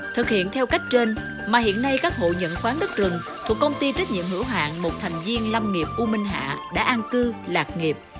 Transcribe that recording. thực hiện theo cách trên mà hiện nay các hộ nhận khoáng đất rừng thuộc công ty trách nhiệm hữu hạng một thành viên lâm nghiệp u minh hạ đã an cư lạc nghiệp